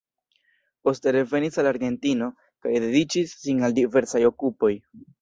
Poste revenis al Argentino, kaj dediĉis sin al diversaj okupoj.